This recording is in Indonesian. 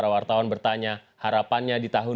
wartawan bertanya harapannya di tahun dua ribu enam belas